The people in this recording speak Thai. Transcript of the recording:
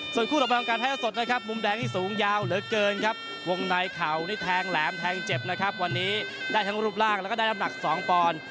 ส่วนคู่ต่อไปของการท่าสดนะครับมุมแดงนี่สูงยาวเหลือเกินครับวงในเข่านี่แทงแหลมแทงเจ็บนะครับวันนี้ได้ทั้งรูปร่างแล้วก็ได้น้ำหนัก๒ปอนด์